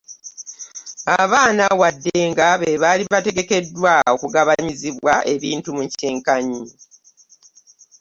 Abaana wadde nga be bbali bateekeddwa okugabanyizibwa ebintu mu kyenkanyi.